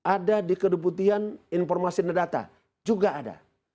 ada di kedeputian informasi dan data juga ada